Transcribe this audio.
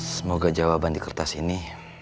semoga jawaban di kertas ini